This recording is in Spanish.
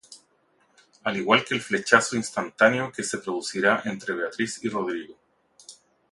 Al igual que el flechazo instantáneo que se producirá entre Beatriz y Rodrigo.